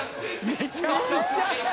めちゃくちゃや。